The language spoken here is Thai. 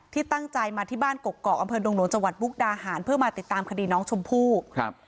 ที่ตั้งใจมาที่บ้านกกอกอำเภอดงหลวงจังหวัดมุกดาหารเพื่อมาติดตามคดีน้องชมพู่ครับ